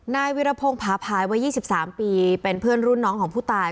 นายวิรพงศ์ผาภายวัย๒๓ปีเป็นเพื่อนรุ่นน้องของผู้ตาย